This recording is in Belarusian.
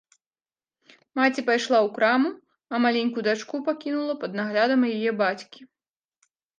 Маці пайшла ў краму, а маленькую дачку пакінула пад наглядам яе бацькі.